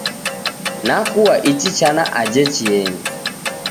nakua ichi chana aje chienyi.